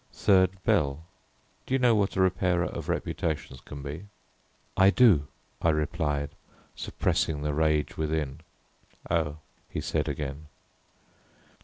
Third Bell. "Do you know what a Repairer of Reputations can be?" "I do," I replied, suppressing the rage within. "Oh," he said again.